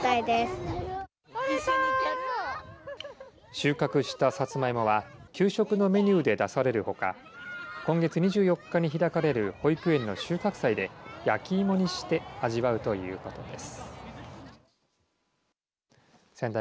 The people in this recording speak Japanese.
収穫したさつまいもは給食のメニューで出されるほか今月２４日に開かれる保育園の収穫祭で焼き芋にして味わうということです。